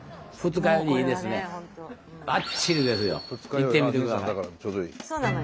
行ってみてください。